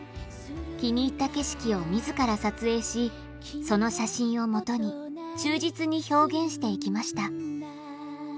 気に入った景色を自ら撮影しその写真をもとに忠実に表現していきました。